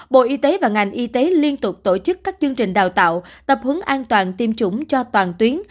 bộ y tế và ngành y tế liên tục tổ chức các chương trình đào tạo tập hướng an toàn tiêm chủng cho toàn tuyến